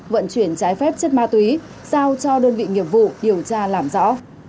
vận chuyển trái phép chất ma túy giao cho đơn vị nghiệp vụ điều tra làm rõ